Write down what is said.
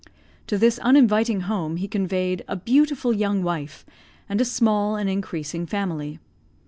To this uninviting home he conveyed a beautiful young wife, and a small and increasing family.